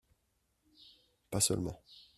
Pas seulement